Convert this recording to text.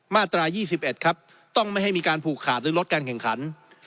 มาตรา๒๑ครับต้องไม่ให้มีการผูกขาดหรือลดการแข่งขัน